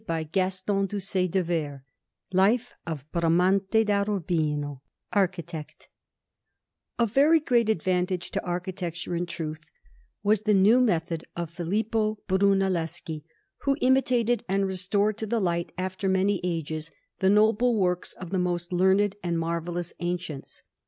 BRAMANTE DA URBINO LIFE OF BRAMANTE DA URBINO ARCHITECT Of very great advantage to architecture, in truth, was the new method of Filippo Brunelleschi, who imitated and restored to the light, after many ages, the noble works of the most learned and marvellous ancients.